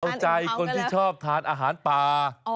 เอาใจคนที่ชอบทานอาหารป่า